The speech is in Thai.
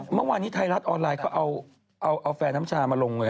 เมื่อที่ไทธิหลัดออนไลน์เขาเอาแฟนน้ำชามาลง